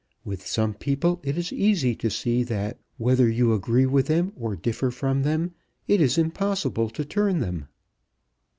With some people it is easy to see that whether you agree with them or differ from them it is impossible to turn them."